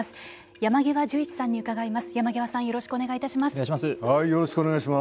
山極壽一さんに伺います。